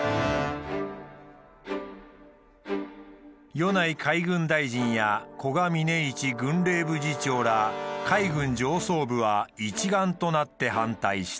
米内海軍大臣や古賀峯一軍令部次長ら海軍上層部は一丸となって反対した。